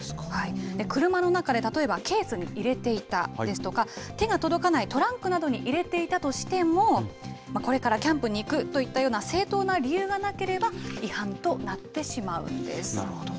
車の中で、例えばケースに入れていたですとか、手の届かないトランクに入れていたとしても、これからキャンプに行くといったような、正当な理由がなければ違反となってしまうんです。